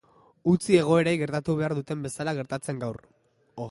Utzi egoerei gertatu behar duten bezala gertatzen gaur.